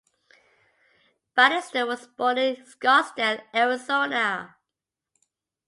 Bannister was born in Scottsdale, Arizona.